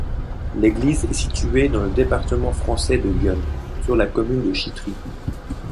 L'église est située dans le département français de l'Yonne, sur la commune de Chitry.